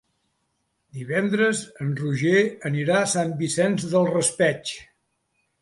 Divendres en Roger anirà a Sant Vicent del Raspeig.